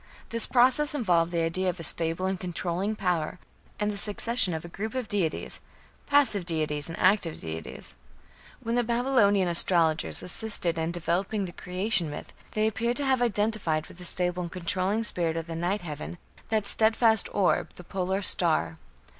This process involved the idea of a stable and controlling power, and the succession of a group of deities passive deities and active deities. When the Babylonian astrologers assisted in developing the Creation myth, they appear to have identified with the stable and controlling spirit of the night heaven that steadfast orb the Polar Star.